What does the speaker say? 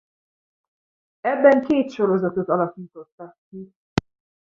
Ebben két sorozatot alakítottak ki.